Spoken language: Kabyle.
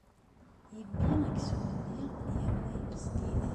Yebbi aksum-nni yerna yewzen-it.